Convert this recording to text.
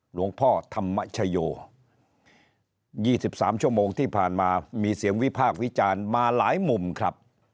หลวงพ่อธรรมชโย๒๓ชั่วโมงที่ผ่านมามีเสียงวิพากษ์วิจารณ์มาหลายมุมครับ